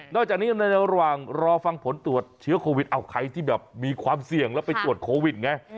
จากนี้ในระหว่างรอฟังผลตรวจเชื้อโควิดเอาใครที่แบบมีความเสี่ยงแล้วไปตรวจโควิดไง